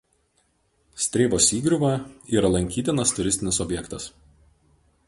Strėvos įgriuva yra lankytinas turistinis objektas.